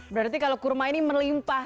berarti kalau kurma ini melimpah